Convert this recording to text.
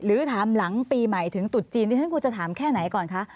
หรือถามหลังปีใหม่ถึงตุดจีนที่ฉันควรจะถามแค่ไหนก่อนคะ